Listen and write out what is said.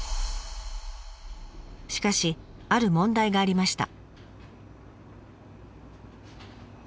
しかしある問題がありました。